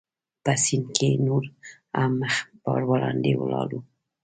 په سیند کې نور هم مخ پر وړاندې ولاړو.